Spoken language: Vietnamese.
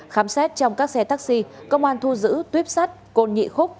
khám xét trong các xe taxi công an thu giữ tuyếp sắt côn nhị khúc